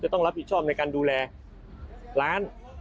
ต้องรับผิดชอบในการดูแลร้าน